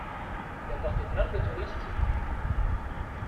Il a porté plainte, le touriste ?